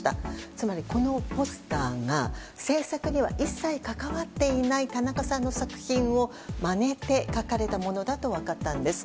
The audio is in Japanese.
つまり、このポスターが制作には一切関わっていないたなかさんの作品をまねて描かれたものだと分かったんです。